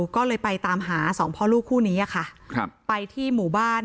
ก็เลยไปตามหาสองพ่อลูกคู่นี้ค่ะไปที่หมู่บ้าน